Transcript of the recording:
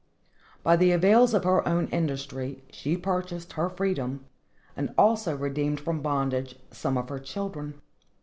By the avails of her own industry she purchased her freedom, and also redeemed from bondage some of her children.